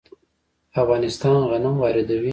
افغانستان غنم واردوي.